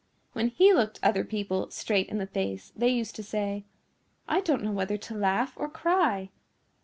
When he looked other people straight in the face they used to say, "I don't know whether to laugh or cry."